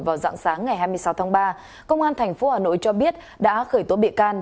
vào dặng sáng ngày hai mươi sáu tháng ba công an thành phố hà nội cho biết đã khởi tố bị can